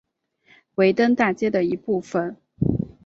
维登大街的一部分。